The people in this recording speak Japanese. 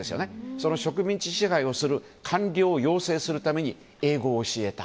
その植民地支配をする官僚を要請するために英語を教えた。